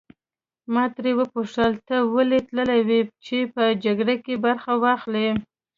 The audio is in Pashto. ما ترې وپوښتل ته ولې تللی وې چې په جګړه کې برخه واخلې.